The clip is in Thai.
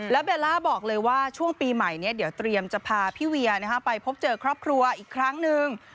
แล้วเบลล่าบอกเลยว่าช่วงปีใหม่นี้เดี๋ยวเตรียมจะพาพี่เวียไปพบเจอครอบครัวอีกครั้งนึง